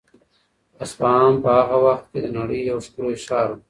اصفهان په هغه وخت کې د نړۍ یو ښکلی ښار و.